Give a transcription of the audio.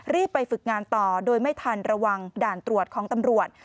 ไปฝึกงานต่อโดยไม่ทันระวังด่านตรวจของตำรวจ